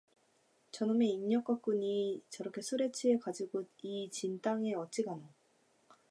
저놈의 인력거꾼이 저렇게 술이 취해 가지고 이 진 땅에 어찌 가노?